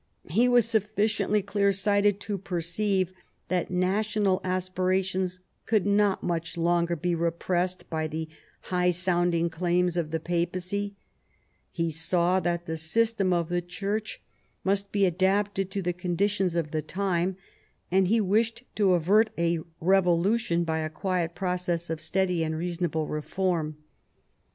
He was sufficiently clear sighted to perceive that national aspirations could not much longer be repressed by the high sounding claims of the Papacy ; he saw that the system of the Church must be adapted to the conditions of the time, and he wished to avert a revolution by a quiet process of steady and reasonable reform.